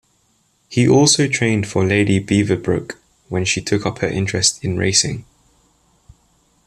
He also trained for Lady Beaverbrook when she took up her interest in racing.